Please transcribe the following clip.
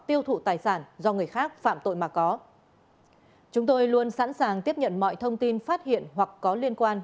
kính chào quý vị và các bạn